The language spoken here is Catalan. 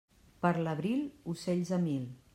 Per l'abril, ocells a mil.